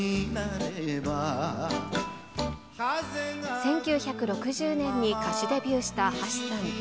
１９６０年に歌手デビューした橋さん。